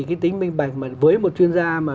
cái tính minh bạch mà với một chuyên gia mà